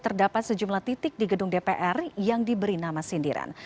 terdapat sejumlah titik di gedung dpr yang diberi nama sindiran